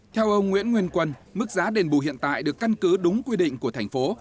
theo ông nguyễn nguyên quân mức giá đền bù hiện tại được căn cứ đúng quy định của thành phố